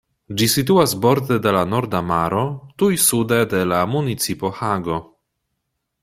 Ĝi situas borde de la Norda Maro, tuj sude de la municipo Hago.